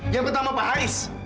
yang pertama pak harris